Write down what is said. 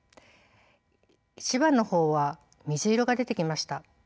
１番の方は水色が出てきました。